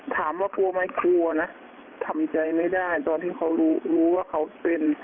ถามว่ากลัวไหมกลัวนะทำใจไม่ได้ตอนที่เขารู้รู้ว่าเขาเป็น